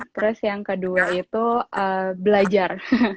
terus yang kedua itu belajar